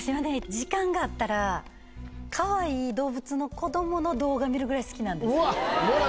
時間があったらカワイイ動物の子どもの動画見るぐらい好きなんです